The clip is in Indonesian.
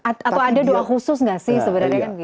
atau ada doa khusus gak sih sebenarnya